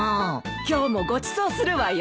今日もごちそうするわよ。